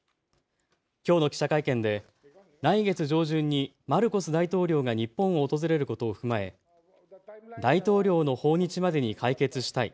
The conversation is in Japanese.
きょうの記者会見で来月上旬にマルコス大統領が日本を訪れることを踏まえ大統領の訪日までに解決したい。